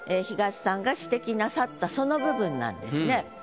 東さんが指摘なさったその部分なんですね。